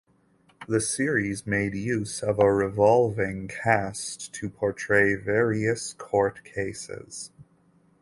The series made use of a revolving cast to portray various court cases.